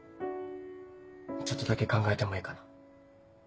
ちょっとだけ考えてもいいかな？